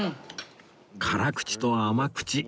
辛口と甘口